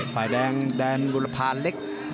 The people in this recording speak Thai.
ฝ่ายแดงแดนบุรพานเล็ก